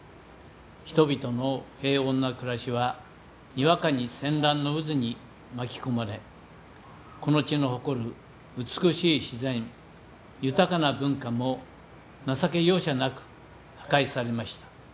人々の平穏な暮らしはにわかに戦乱の渦に巻き込まれこの地の誇る美しい自然、豊かな文化も情け容赦なく破壊されました。